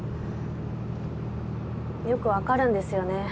よくわかるんですよね